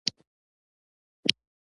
د کلیسا اړونده ټولې ځمکې مصادره کړې.